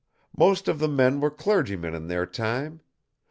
Most of the men were clergymen in their time.